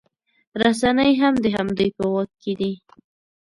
رسنۍ هم د همدوی په واک کې دي